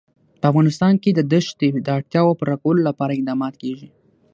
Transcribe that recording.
په افغانستان کې د دښتې د اړتیاوو پوره کولو لپاره اقدامات کېږي.